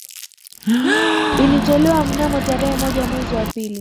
Ilitolewa mnamo tarehe moja mwezi wa pili